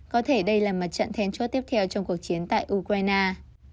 có thể đây là mặt trận then chốt tiếp theo trong cuộc chiến tại ukraine